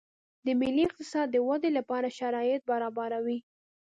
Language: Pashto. د ملي اقتصاد د ودې لپاره شرایط برابروي